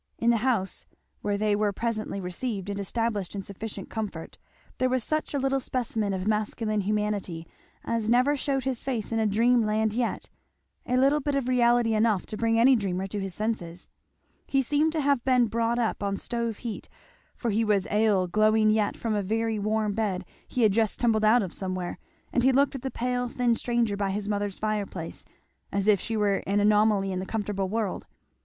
In the house where they were presently received and established in sufficient comfort, there was such a little specimen of masculine humanity as never shewed his face in dream land yet; a little bit of reality enough to bring any dreamer to his senses. He seemed to have been brought up on stove heat, for he was ail glowing yet from a very warm bed he had just tumbled out of somewhere, and he looked at the pale thin stranger by his mother's fireplace as if she were an anomaly in the comfortable world.